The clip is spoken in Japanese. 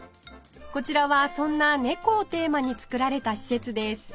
こちらはそんな猫をテーマに造られた施設です